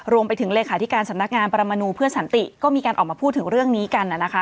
รวมไปถึงเลขาธิการสำนักงานปรมนูเพื่อสันติก็มีการออกมาพูดถึงเรื่องนี้กันนะคะ